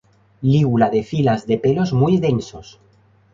Lígula de filas de pelos muy densos.